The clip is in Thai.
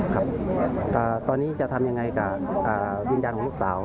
ครับตอนนี้จะทำยังไงกับวิญญาณของลูกสาว